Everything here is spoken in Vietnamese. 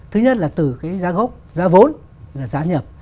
thứ nhất là từ cái giá gốc giá vốn là giá nhập